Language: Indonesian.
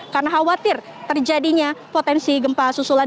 karena khawatir terjadinya potensi gempa susulan